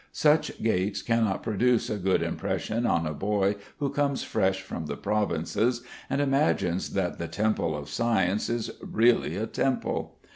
Such gates cannot produce a good impression on a boy who comes fresh from the provinces and imagines that the temple of science is really a temple.